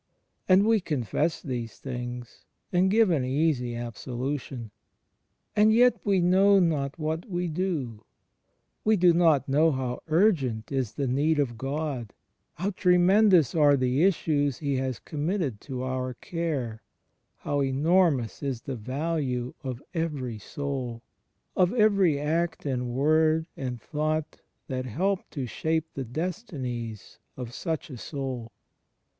And we confess these things, and give an easy absolution. And yet we know not what we do. We do not know how urgent is the need of God, how tremendous are the issues He has com mitted to our care, how enormous is the value of every soul — of every act and word and thought that help to CHBIST IN mS HISTORICAL LIFE II7 shape the destinies of such a soul.